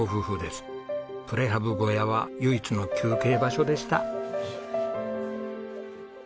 プレハブ小屋は唯一の休憩場所でした。